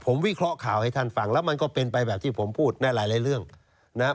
ผมวิเคราะห์ข่าวให้ท่านฟังแล้วมันก็เป็นไปแบบที่ผมพูดในหลายเรื่องนะครับ